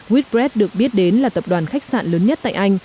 whred được biết đến là tập đoàn khách sạn lớn nhất tại anh